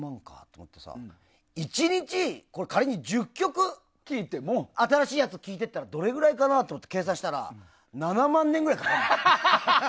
あったらさ１日仮に１０曲新しいやつ聴いてったらどれくらいかなと思って計算したら７万年ぐらいかかるんだって。